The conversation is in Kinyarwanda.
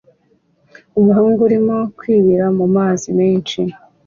Umuhungu urimo kwibira mumazi menshi